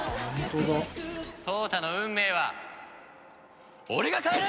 颯太の運命は俺が変える！